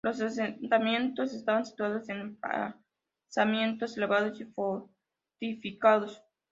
Los asentamientos estaban situados en emplazamientos elevados y fortificados.